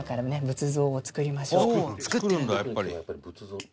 仏像を作りましょう。